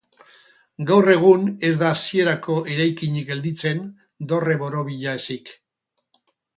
Gaur egun ez da hasierako eraikinik gelditzen dorre borobila ezik.